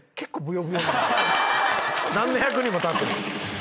何の役にも立ってない。